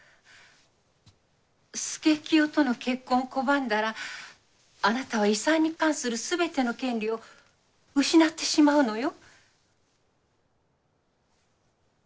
佐清との結婚を拒んだらあなたは遺産に関するすべての権利を失ってしまうのよ。